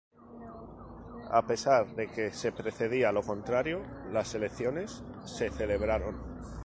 A pesar de que se predecía lo contrario, las elecciones se celebraron".